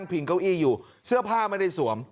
พิงเก้าอี้อยู่เสื้อผ้าไม่ได้สวม